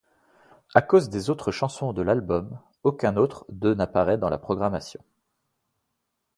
À cause des autres chansons de l'album, aucun autre de n'apparaît dans la programmation.